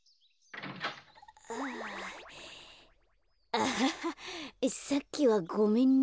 アハハさっきはごめんね。